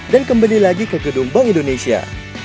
dan kembali lagi ke gedung bank indonesia